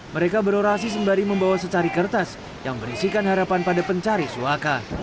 mereka berorasi sembari membawa secari kertas yang berisikan harapan pada pencari suaka